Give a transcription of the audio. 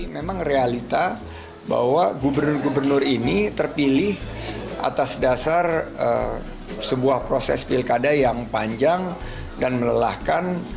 memang realita bahwa gubernur gubernur ini terpilih atas dasar sebuah proses pilkada yang panjang dan melelahkan